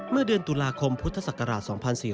เมื่อเดือนตุลาคมพุทธศักราช๒๔๙